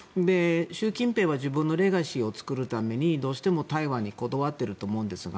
習近平は自分のレガシーを作るためにどうしても台湾にこだわっていると思うんですが